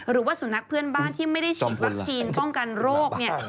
หรือว่าสุนัขเพื่อนบ้านที่ไม่ได้ฉีดวัคซีนป้องกันโรคเนี่ย